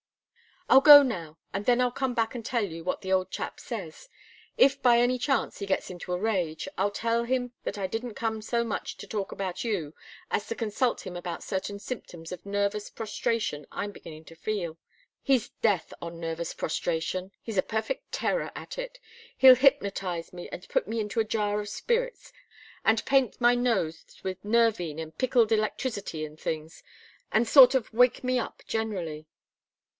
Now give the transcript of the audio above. I'll go now, and then I'll come back and tell you what the old chap says. If by any chance he gets into a rage, I'll tell him that I didn't come so much to talk about you as to consult him about certain symptoms of nervous prostration I'm beginning to feel. He's death on nervous prostration he's a perfect terror at it he'll hypnotise me, and put me into a jar of spirits, and paint my nose with nervine and pickled electricity and things, and sort of wake me up generally."